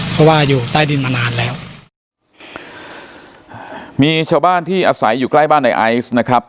เพราะว่าอยู่ใต้ดินมานานแล้วมีชาวบ้านที่อาศัยอยู่ใกล้บ้านในไอซ์นะครับ